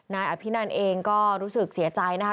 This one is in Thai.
นายอภินันเองก็รู้สึกเสียใจนะคะ